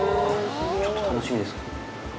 ちょっと楽しみですね。